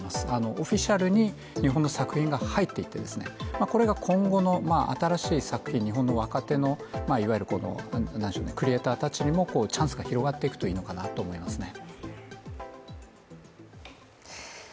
オフィシャルに日本の作品が入っていって、これが今後の新しい作品、日本の若手の、いわゆるクリエーターたちにもチャンスが広がっていくといいのかなと思いますね。